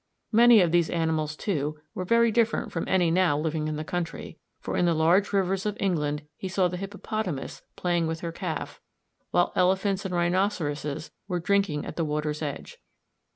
Many of these animals, too, were very different from any now living in the country, for in the large rivers of England he saw the hippopotamus playing with her calf, while elephants and rhinoceroses were drinking at the water's edge.